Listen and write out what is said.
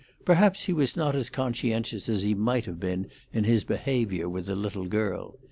Perhaps he was not as conscientious as he might have been in his behaviour with the little girl.